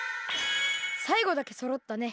さいごだけそろったね！